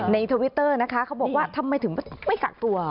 ทวิตเตอร์นะคะเขาบอกว่าทำไมถึงไม่กักตัว